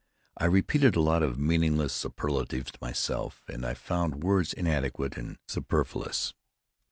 I repeated a lot of meaningless superlatives to myself, and I found words inadequate and superfluous.